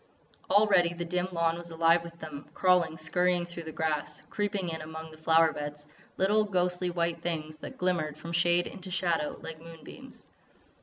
Already the dim lawn was alive with them, crawling, scurrying through the grass, creeping in among the flower beds, little, ghostly white things that glimmered from shade into shadow like moonbeams.